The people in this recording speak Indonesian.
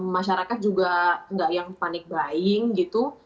masyarakat juga nggak yang panik buying gitu